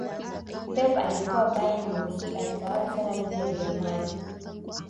pep alipokuwa bayern munich alitawala sana ligi ya ujerumani